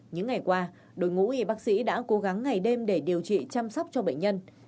những ngày qua đội ngũ y bác sĩ đã cố gắng ngày đêm để điều trị chăm sóc cho bệnh nhân